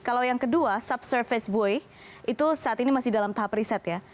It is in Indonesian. kalau yang kedua subservace boy itu saat ini masih dalam tahap riset ya